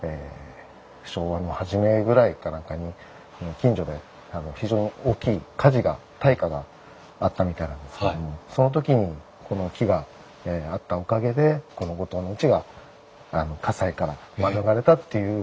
昭和の初めぐらいか何かに近所で非常に大きい火事が大火があったみたいなんですけどその時にこの木があったおかげでこの後藤のうちが火災から免れたっていう。